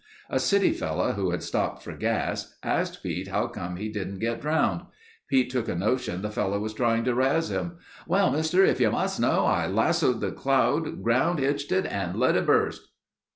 A city fellow who had stopped for gas, asked Pete how come he didn't get drowned. Pete took a notion the fellow was trying to razz him. 'Well, Mister, if you must know, I lassoed the cloud, ground hitched it and let it bust....